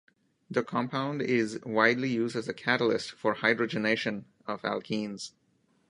The compound is widely used as a catalyst for hydrogenation of alkenes.